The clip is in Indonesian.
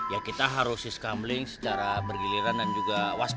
ya kita harus iskambling secara bergiliran dan juga waspada